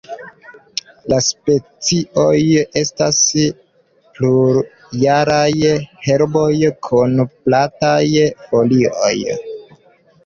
La specioj estas plurjaraj herboj kun plataj folioj.